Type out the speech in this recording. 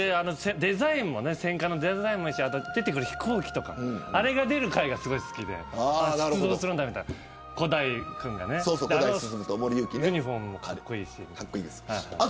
戦艦のデザインもいいし出てくる飛行機とかあれが出る回がすごく好きで古代君がね。ユニホームもかっこいいし。